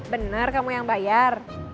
bener kamu yang bayar